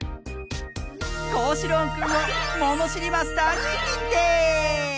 こうしろうくんをものしりマスターににんてい！